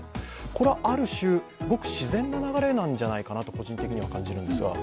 これはある種、ごく自然な流れなんじゃないかなと個人的には感じるんですが。